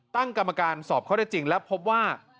ตั้งกรรมการสอบข้อได้จริงและพบว่า